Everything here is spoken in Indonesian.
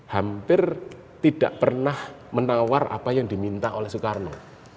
hampir tidak pernah menawar apa yang diminta oleh soekarno